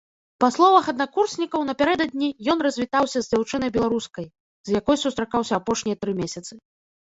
Па словах аднакурснікаў, напярэдадні ён развітаўся з дзяўчынай-беларускай, з якой сустракаўся апошнія тры месяцы.